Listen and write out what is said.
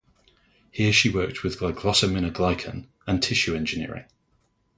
Here she worked with glycosaminoglycan and tissue engineering.